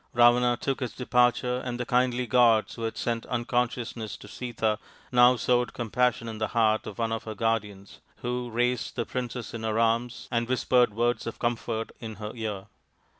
Ravana took his departure, and the kindly gods who had sent unconsciousness to Sita now sowed compassion in the heart of one of her guardians, who raised the princess in her arms and whispered words of comfort in her ear.